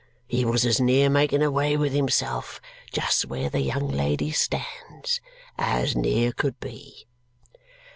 He was as near making away with himself, just where the young lady stands, as near could be."